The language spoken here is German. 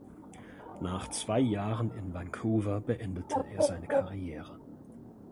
Nach zwei Jahren in Vancouver beendete er seine Karriere.